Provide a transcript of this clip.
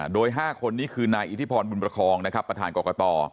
โดย๕คนนี้คือนายอิทธิพรบุญประคองนะครับประธานกรกต